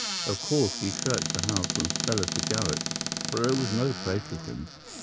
"'Of course we searched the house from cellar to garret, but there was no trace of him.